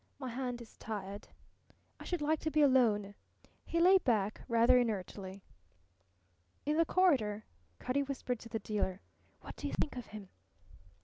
"My hand is tired. I should like to be alone." He lay back rather inertly. In the corridor Cutty whispered to the dealer: "What do you think of him?"